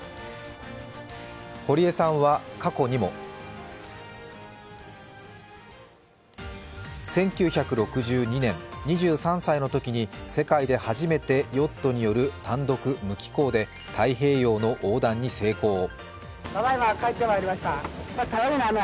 堀江さんは過去にも１９６２年、２３歳のときに世界で初めてヨットによる単独無寄港で太平洋の横断に成功。